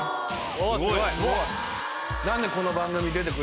おすごい。